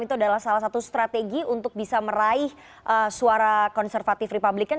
itu adalah salah satu strategi untuk bisa meraih suara konservatif republikan